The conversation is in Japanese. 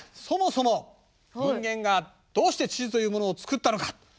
そもそも人間がどうして地図というものを作ったのか。